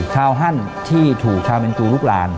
ชาวฮั่นที่ถูกชาวแมนจูลูกลาน